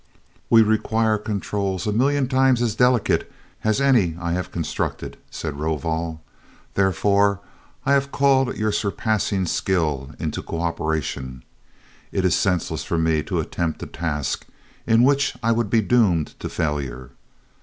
"We require controls a million times as delicate as any I have constructed," said Rovol, "therefore I have called your surpassing skill into co operation. It is senseless for me to attempt a task in which I would be doomed to failure.